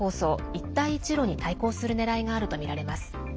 一帯一路に対抗するねらいがあるとみられます。